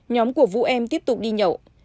nhóm của vũ em tiếp tục đi nhậu